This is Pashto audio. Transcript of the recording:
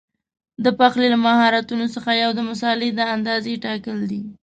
د پخلي له مهارتونو څخه یو د مسالې د اندازې ټاکل دي.